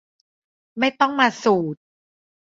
ไม่ต้องมาสูตร